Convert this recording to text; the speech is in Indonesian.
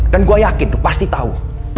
dan gua yakin lo pasti tau